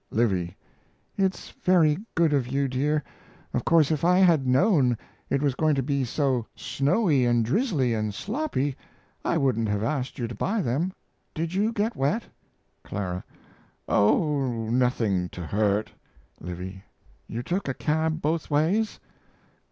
LIVY. It's very good of you, dear. Of course, if I had known it was going to be so snowy and drizzly and sloppy I wouldn't have asked you to buy them. Did you get wet? CL. Oh, nothing to hurt. L. You took a cab both ways?